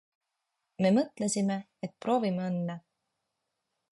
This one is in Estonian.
Me mõtlesime, et proovime õnne.